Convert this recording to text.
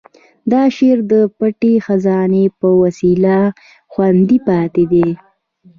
دا شعر د پټې خزانې په وسیله خوندي پاتې دی.